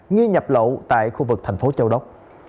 nghi nhập lậu tại khu vực thành phố châu đốc